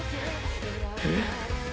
えっ？